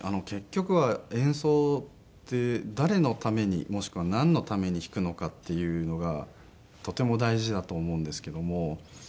結局は演奏って誰のためにもしくはなんのために弾くのかっていうのがとても大事だと思うんですけども。